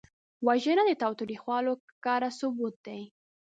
وژنه د تاوتریخوالي ښکاره ثبوت دی